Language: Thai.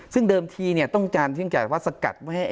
ซึ่งเดิมทีต้องจารย์ที่จะสกัด